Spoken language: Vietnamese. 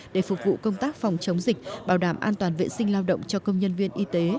để phục vụ công tác phòng chống dịch bảo đảm an toàn vệ sinh lao động cho công nhân viên y tế